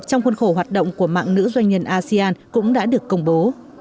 trong khuôn khổ hoạt động của mạng nữ doanh nhân asean cũng đã được công bố